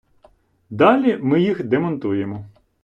Далі ми їх демонтуємо.